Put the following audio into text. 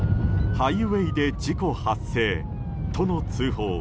ハイウェーで事故発生との通報。